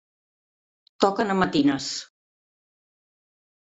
Toquen a matines!